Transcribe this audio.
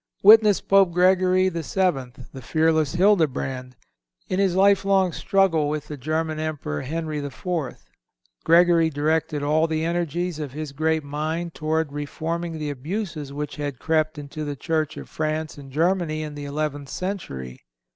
Witness Pope Gregory VII., the fearless Hildebrand, in his life long struggle with the German Emperor, Henry IV. Gregory directed all the energies of his great mind towards reforming the abuses which had crept into the church of France and Germany in the eleventh century.